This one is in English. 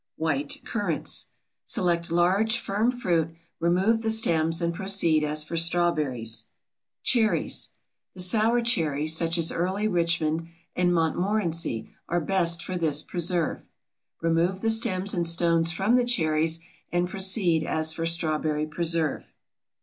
WHITE CURRANTS. Select large, firm fruit, remove the stems, and proceed as for strawberries. CHERRIES. The sour cherries, such as Early Richmond and Montmorency, are best for this preserve. Remove the stems and stones from the cherries and proceed as for strawberry preserve.